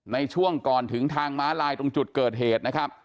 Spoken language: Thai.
ในช่วงก่อนถึงทางม้าลายตรงจุดเกิดเหตุนะครับ